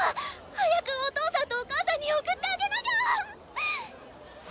早くお父さんとお母さんに送ってあげなきゃ！